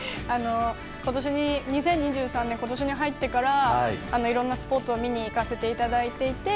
２０２３年、今年に入っていろんなスポーツを見に行かせていただいていて。